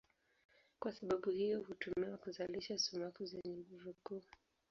Kwa sababu hiyo hutumiwa kuzalisha sumaku zenye nguvu kuu.